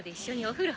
風呂！？